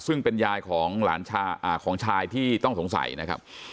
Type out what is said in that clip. ซึ่งเป็นยายของหลานชายของชายที่ต้องสงสัยนะครับ